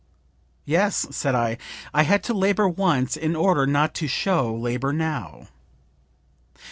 'Yes,' said I, 'I had to labor once in order not to show labor now.'